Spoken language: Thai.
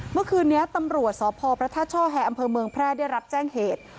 เมื่อคืนนี้ตำรวจสพพระธาตุช่อแฮอำเภอเมืองแพร่ได้รับแจ้งเหตุ